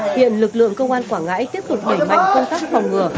hiện lực lượng công an quảng ngãi tiếp tục đẩy mạnh công tác phòng ngừa